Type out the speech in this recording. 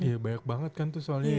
iya banyak banget kan tuh soalnya